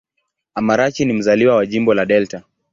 Amarachi ni mzaliwa wa Jimbo la Delta.